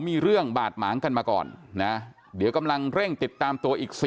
มีเรื่องบาดหมางกันมาก่อนนะเดี๋ยวกำลังเร่งติดตามตัวอีก๔